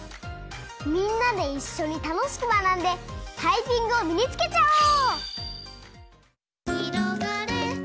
みんなでいっしょにたのしくまなんでタイピングをみにつけちゃおう！